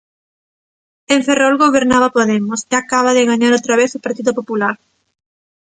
En Ferrol gobernaba Podemos, e acaba de gañar outra vez o Partido Popular.